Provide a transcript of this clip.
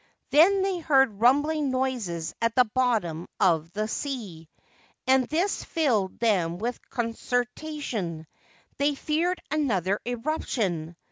Then they heard rumbling noises at the bottom of the sea, and this filled them with consternation — they feared another eruption.